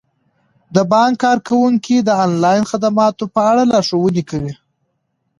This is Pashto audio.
د بانک کارکوونکي د انلاین خدماتو په اړه لارښوونه کوي.